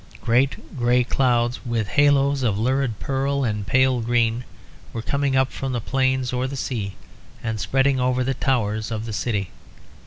Great grey clouds with haloes of lurid pearl and pale green were coming up from the plains or the sea and spreading over the towers of the city.